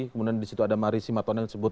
kemudian di situ ada marisi matwana yang disebut